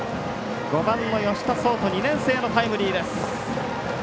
５番の吉田創登２年生のタイムリーです。